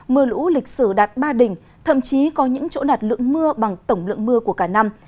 mưa lũ lịch sử đạt ba đỉnh thậm chí có những chỗ đạt lượng mưa bằng tổng lượng mưa của cả năm